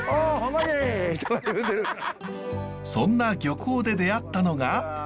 そんな漁港で出会ったのが。